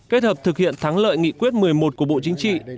kết hợp thực hiện thắng lợi nghị quyết một mươi một của bộ chính trị